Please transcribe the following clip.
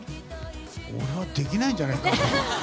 俺はできないんじゃねえかな。